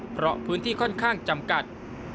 เพราะพื้นที่ค่อนข้างจำกัด